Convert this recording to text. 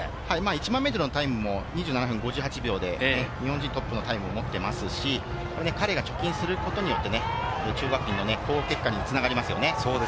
１００００ｍのタイムも２７分５８秒で日本人トップのタイムを持っていますし、彼が貯金することによって中央学院の好結果に繋がりますよね。